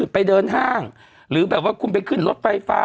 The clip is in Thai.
พี่อยู่ในวันนี้คืนนี้